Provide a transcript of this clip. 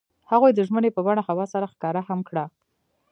هغوی د ژمنې په بڼه هوا سره ښکاره هم کړه.